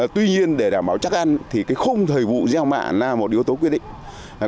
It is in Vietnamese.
tuy nhiên để đảm bảo chắc ăn thì cái khung thời vụ gieo mạ là một yếu tố quyết định